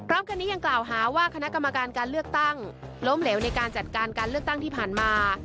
คันนี้ยังกล่าวหาว่าคณะกรรมการการเลือกตั้งล้มเหลวในการจัดการการเลือกตั้งที่ผ่านมา